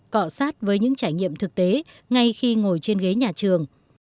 cọ sát với những trải nghiệm thực tế ngay khi ngồi trên ghế nhà trường